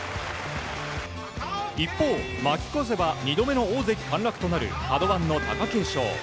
一方、負け越せば２度目の大関陥落となるカド番の貴景勝。